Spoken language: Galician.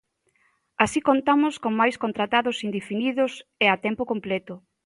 Así, contamos con máis contratados indefinidos e a tempo completo.